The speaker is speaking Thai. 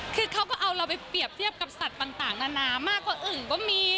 คือเขาก็เอาเราไปเปรียบเทียบกับสัตว์ต่างนานามากกว่าอื่นก็มี